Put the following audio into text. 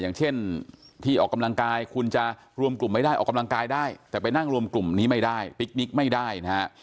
อย่างเช่นที่ออกกำลังกายคุณจะรวมกลุ่มไม่ได้ออกกำลังกายได้แต่ไปนั่งรวมกลุ่มนี้ไม่ได้ติ๊กนิกไม่ได้นะฮะ